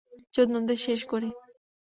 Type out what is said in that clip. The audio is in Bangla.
চোদনাদের শেষ করি!